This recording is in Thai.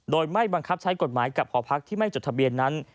โดยไม่บังคับใช้กฎหมายกับหอพักที่ไม่จดทะเบียนนั้น